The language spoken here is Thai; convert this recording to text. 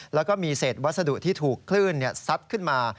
แล้วก็มีเศษวัสดุที่ถูกคลื่นซัดขึ้นมา